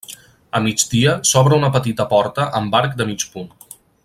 A migdia s'obre una petita porta amb arc de mig punt.